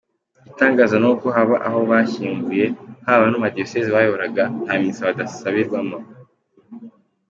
Igitangaza n’uko haba aho bashyinguye, haba no mu madiyosezi bayoboraga nta misa basabirwamo.